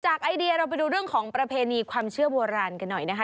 ไอเดียเราไปดูเรื่องของประเพณีความเชื่อโบราณกันหน่อยนะคะ